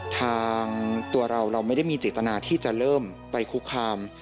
ทางตัวเราเราไม่ได้มีเจตนาที่จะเริ่มไปคุกคาม